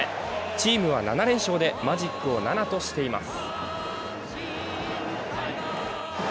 チームは７連勝でマジックを７としています。